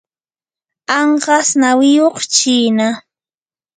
anqas nawiyuq chiina.